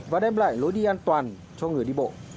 và đem lại lối đi an toàn cho người đi bộ